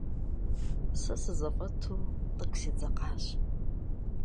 Сэ сызэфӏэту тӏэкӏу седзэкъащ.